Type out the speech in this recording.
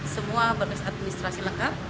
semua berdasar administrasi lengkap